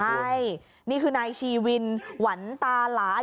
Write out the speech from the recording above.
ใช่นี่คือนายชีวินหวันตาลายุ๔๑ปี